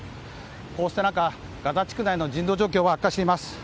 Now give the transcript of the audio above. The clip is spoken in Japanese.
こうした中、ガザ地区内の人道状況は悪化しています。